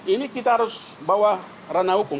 ini kita harus bawa ranah hukum